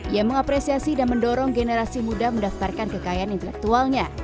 ia mengapresiasi dan mendorong generasi muda mendaftarkan kekayaan intelektualnya